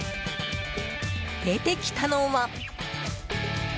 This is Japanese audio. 出てきたのは。